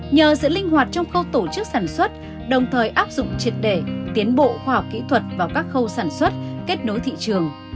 nhờ sự linh hoạt trong khâu tổ chức sản xuất đồng thời áp dụng triệt để tiến bộ khoa học kỹ thuật vào các khâu sản xuất kết nối thị trường